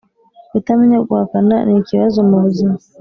kutamenya guhakana ni ikbazo mu buzima